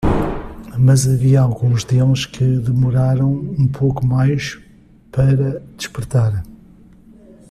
Mas havia alguns deles que demoraram um pouco mais para despertar.